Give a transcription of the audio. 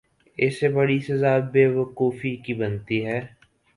اس سے بڑی سزا بے وقوفی کی بنتی ہے۔